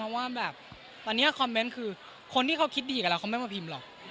อันนี้คำว่าคอมเม้นต์คือคนที่เขาคิดดีกับเราเขาไม่มาพิมพ์หรอก